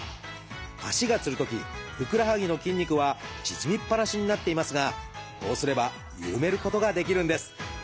足がつるときふくらはぎの筋肉は縮みっぱなしになっていますがこうすれば緩めることができるんです。